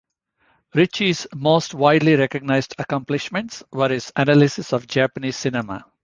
Richie's most widely recognized accomplishments were his analyses of Japanese cinema.